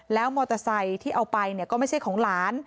แล้วมอเตอร์ไซค์ที่เอาไปเนี่ยก็ไม่ใช่ของหลาน